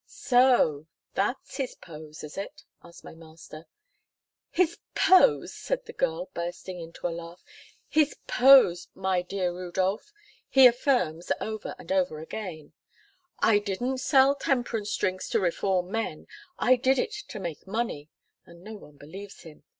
'" "So that's his pose, is it?" asked my master. "His pose," said the girl bursting into a laugh, "his pose my dear Rudolph he affirms over and over again, 'I didn't sell temperance drinks to reform men, I did it to make money,' and no one believes him.